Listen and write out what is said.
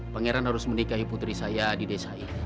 pangeran harus menikahi putri saya di desa ini